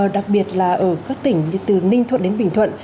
đặc biệt là ở các tỉnh từ ninh thuận đến bình thuận